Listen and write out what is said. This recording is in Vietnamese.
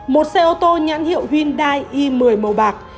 một xe ô tô nhãn hiệu hyundai i một mươi màu bạc